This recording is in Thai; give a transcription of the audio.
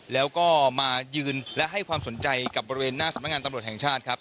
แล้วก็มายืนและให้ความสนใจกับบริเวณหน้าสำนักงานตำรวจแห่งชาติครับ